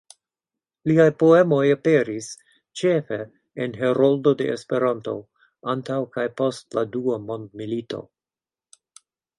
Liaj poemoj aperis ĉefe en Heroldo de Esperanto antaŭ kaj post la Dua Mondmilito.